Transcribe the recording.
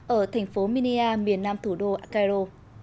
ở thành phố minia miền nam thủ đô akairo